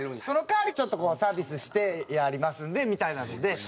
その代わりちょっとサービスしてやりますんでみたいなので。